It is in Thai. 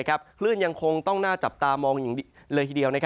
คลื่นยังคงต้องน่าจับตามองอย่างดีเลยทีเดียว